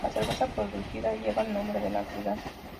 La cerveza producida lleva el nombre de la ciudad.